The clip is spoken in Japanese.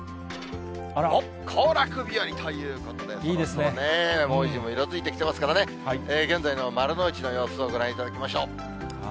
行楽日和ということでモミジも色づいてきてますからね、現在の丸の内の様子をご覧いただきましょう。